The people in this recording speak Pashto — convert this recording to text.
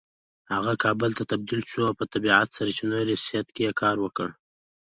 هغه کابل ته تبدیل شو او په طبیعي سرچینو ریاست کې يې کار وکړ